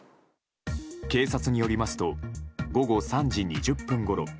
警察によりますと午後３時２０分ごろ